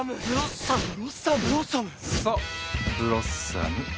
そうブロッサム。